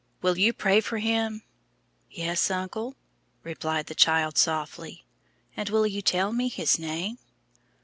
Will you pray for him?" "Yes, uncle," replied the child softly. "And will you tell me his name?"